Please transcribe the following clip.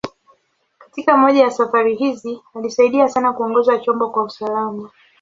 Katika moja ya safari hizi, alisaidia sana kuongoza chombo kwa usalama.